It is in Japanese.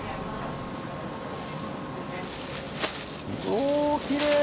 おおきれい！